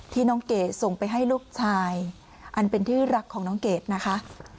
น้องเกดส่งไปให้ลูกชายอันเป็นที่รักของน้องเกดนะคะ